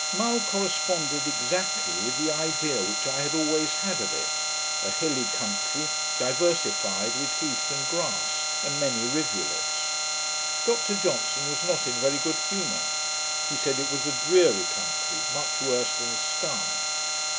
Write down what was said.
Mull corresponded exactly with the idea which I had always had of it; a hilly country, diversified with heath and grass, and many rivulets. Dr Johnson was not in very good humour. He said, it was a dreary country, much worse than Sky.